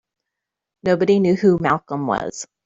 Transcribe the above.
Nobody knew who Malcolm was.